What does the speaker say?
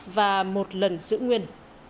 và một lần giữ nguyên